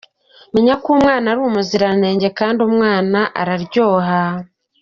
Menya ko umwana ari umuziranenge kandi umwana araryoha!”.